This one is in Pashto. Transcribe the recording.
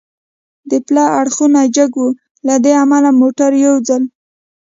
د پله اړخونه جګ و، له دې امله موټر یو ځل.